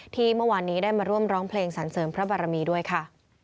ที่เมื่อวานนี้ได้มาร่วมร้องเพลงสรรเสริมพระบารมีด้วยค่ะ